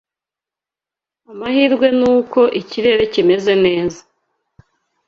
Amahirwe nuko ikirere kimeze neza.